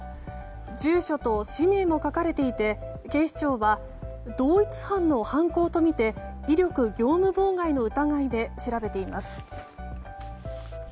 住所と氏名も書かれていて警視庁は同一犯の犯行とみて威力業務妨害の疑いで調べています。